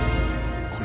これ？